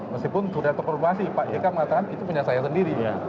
meskipun sudah terkonformasi pak jk mengatakan itu punya saya sendiri